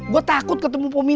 gue takut ketemu pominah